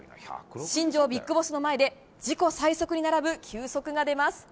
新庄ビッグボスの前で自己最速に並ぶ球速が出ます。